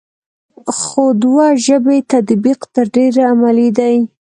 خو دوه ژبې تطبیق تر ډېره عملي دی ا